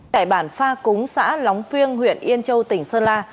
tại bản pha cúng xã lóng phiêng huyện yên châu tỉnh sơn la